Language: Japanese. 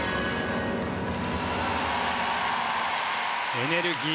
エネルギー